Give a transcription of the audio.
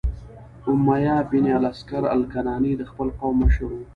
امیة بن الاسکر الکناني د خپل قوم مشر و،